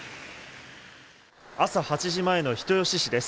朝８時前の人吉市です。